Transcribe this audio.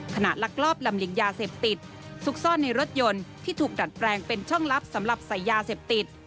ลักลอบลำเลียงยาเสพติดซุกซ่อนในรถยนต์ที่ถูกดัดแปลงเป็นช่องลับสำหรับใส่ยาเสพติด